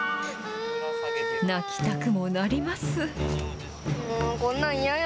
泣きたくもなります。